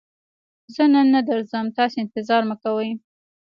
زه نن نه درځم، تاسې انتظار مکوئ!